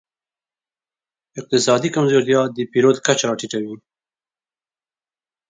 اقتصادي کمزورتیا د پیرود کچه راټیټوي.